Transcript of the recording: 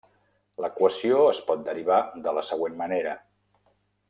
L'equació es pot derivar de la següent manera.